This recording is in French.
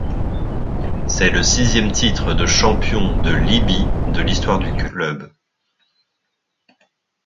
C'est le sixième titre de champion de Libye de l'histoire du club.